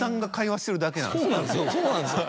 そうなんですよ